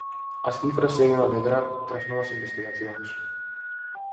As cifras seguen a medrar tras novas investigacións: